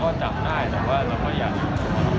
คือแบบทะเลเนี้ยมันก็ประมาณนั้นแหละ